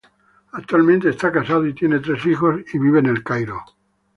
Actualmente está casado y tiene tres hijos, y vive en El Cairo.